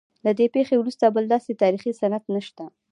له دې پیښې وروسته بل داسې تاریخي سند نشته.